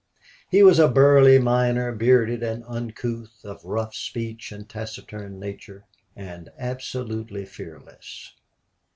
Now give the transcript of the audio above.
He was a burly miner, bearded and uncouth, of rough speech and taciturn nature, and absolutely fearless.